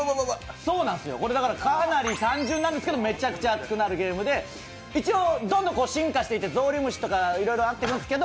これだからかなり単純なんですけどめちゃくちゃ熱くなるゲームで一応、どんどん進化していてゾウリムシとかいろいろあるんですけど。